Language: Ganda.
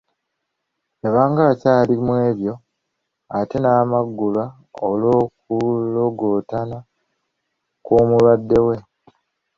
Yabanga akyali mw’ebyo ate n’amagulwa olw’okulogootana kw’omulwadde we.